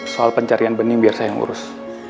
soal pencarian bening biar saya yang urus